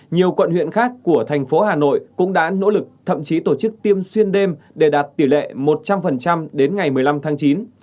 nhiều quận huyện khác của thành phố hà nội cũng đã nỗ lực thậm chí tổ chức tiêm xuyên đêm để đạt tỷ lệ một trăm linh đến ngày một mươi năm tháng chín